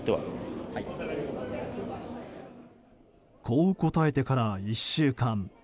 こう答えてから１週間。